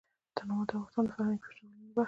تنوع د افغانستان د فرهنګي فستیوالونو برخه ده.